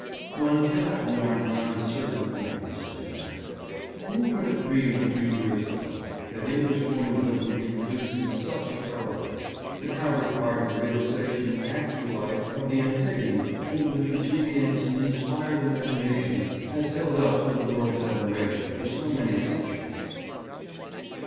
'One cannot mourn beyond a certain point for such a death. Who could have dreamed a few years ago that English womanhood would be producing such a heroine the counterpart and realization in actual life of the Antigone whom the tragedian's inspired imagination has held up to the world's admiration for so many centuries?'